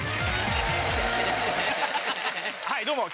はいどうも。